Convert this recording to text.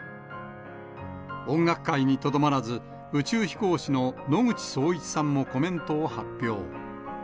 音楽界にとどまらず、宇宙飛行士の野口聡一さんもコメントを発表。